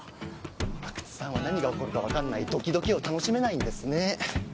阿久津さんは何が起こるか分かんないドキドキを楽しめないんですね。